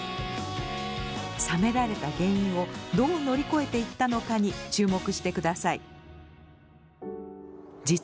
冷められた原因をどう乗り越えていったのかに注目してください。